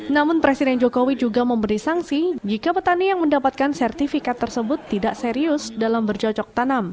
namun presiden jokowi juga memberi sanksi jika petani yang mendapatkan sertifikat tersebut tidak serius dalam berjocok tanam